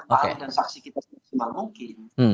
bahan dan saksi kita yang maksimal mungkin